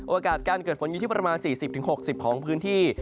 โอกาสการเกิดฝนอยู่ที่ประมาณ๔๐๖๐ของพื้นที่